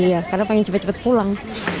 iya karena pengen cepat cepat pulang